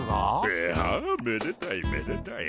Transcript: いやめでたいめでたい。